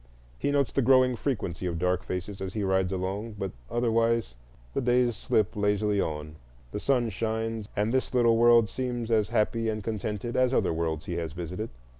He notes the growing frequency of dark faces as he rides along,—but otherwise the days slip lazily on, the sun shines, and this little world seems as happy and contented as other worlds he has visited.